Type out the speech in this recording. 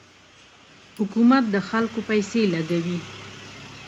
حکومت د خلکو پیسې لګوي.